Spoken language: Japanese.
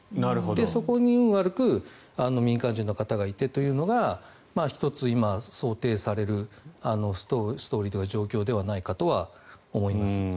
そこに運悪く民間人の方がいてというのが１つ想定されるストーリーというか状況ではないかと思います。